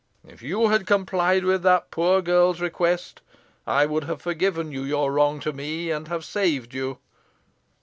If you had complied with that poor girl's request, I would have forgiven you your wrong to me, and have saved you."